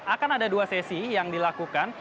akan ada dua sesi yang dilakukan